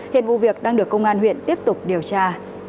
hiện vụ việc đang được công an huyện tiếp tục điều tra